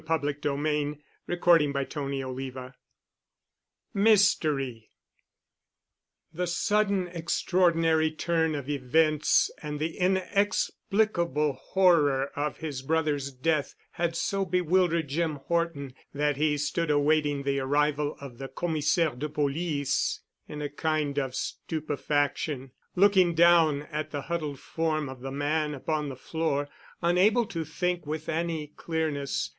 "You will please wait." *CHAPTER XXII* *MYSTERY* The sudden extraordinary turn of events and the inexplicable horror of his brother's death had so bewildered Jim Horton that he stood awaiting the arrival of the Commissaire de Police in a kind of stupefaction, looking down at the huddled form of the man upon the floor, unable to think with any clearness.